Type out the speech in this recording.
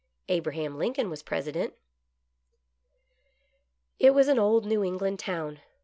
Abraham Lincoln was President." It was an old New England town.